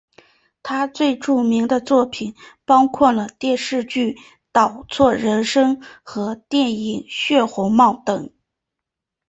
他最著名的作品包括了电视剧倒错人生和电影血红帽等。